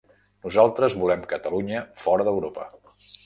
Nosaltres volem Catalunya fora d'Europa.